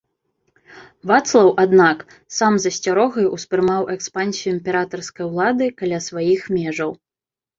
Вацлаў, аднак, сам з асцярогай успрымаў экспансію імператарскай улады каля сваіх межаў.